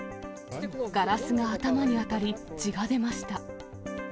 ガラスが頭に当たり、血が出ました。